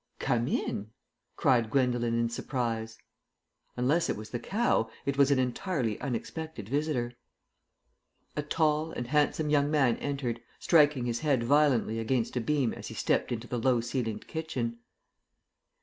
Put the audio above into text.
"Come in," cried Gwendolen in surprise. Unless it was the cow, it was an entirely unexpected visitor. A tall and handsome young man entered, striking his head violently against a beam as he stepped into the low ceilinged kitchen.